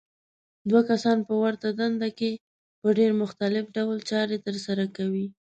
دوه کسان په ورته دنده کې په ډېر مختلف ډول چارې ترسره کوي.